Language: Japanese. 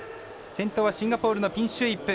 先頭はシンガポールのピンシュー・イップ。